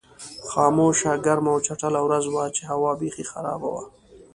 خاموشه، ګرمه او چټله ورځ وه چې هوا بېخي خرابه وه.